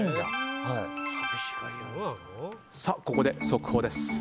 ここで速報です。